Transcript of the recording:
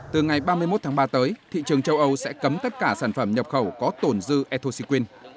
từ ngày ba mươi một tháng ba tới thị trường châu âu sẽ cấm tất cả sản phẩm nhập khẩu có tổn dư ethoxyquin